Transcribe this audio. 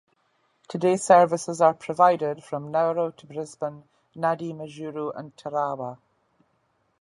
Today services are provided from Nauru to Brisbane, Nadi, Majuro, and Tarawa.